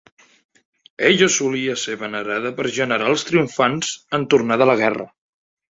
Ella solia ser venerada per generals triomfants en tornar de la guerra.